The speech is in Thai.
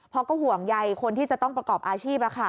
เพราะก็ห่วงใยคนที่จะต้องประกอบอาชีพ